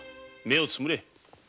目をつむれ。